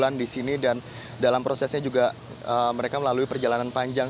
jalan di sini dan dalam prosesnya juga mereka melalui perjalanan panjang